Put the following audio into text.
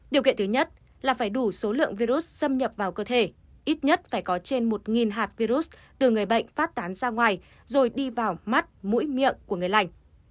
điều kiện thứ nhất là phải đủ số lượng virus xâm nhập vào cơ thể ít nhất phải có trên một hạt virus từ người bệnh phát tán ra ngoài rồi đi vào mắt mũi miệng của người lành